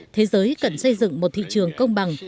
thế giới cần xây dựng một thị trường công bằng